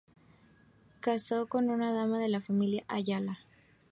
Casó con una dama de la familia Ayala.